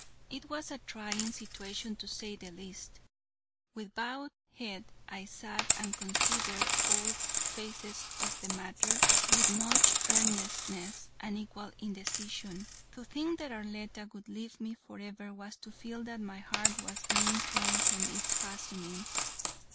It was a trying situation, to say the least. With bowed head I sat and considered all phases of the matter, with much earnestness and equal indecision. To think that Arletta would leave me forever was to feel that my heart was being torn from its fastenings.